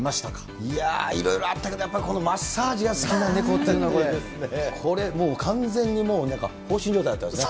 いや、いろいろあったけど、やっぱりこのマッサージが好きなネコというのは、これ、もう完全にもう、もうなんか放心状態になってましたね。